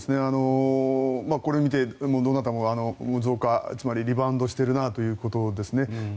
これを見てどなたも増加つまりリバウンドしているなということですね。